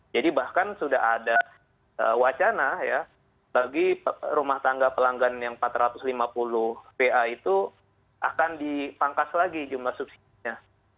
jadi bahkan sudah ada wacana ya bagi rumah tangga pelanggan yang empat ratus lima puluh pa itu akan dipangkas lagi jumlah subsidi nya